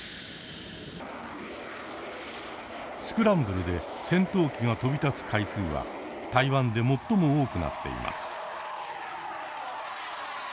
スクランブルで戦闘機が飛び立つ回数は台湾で最も多くなっています。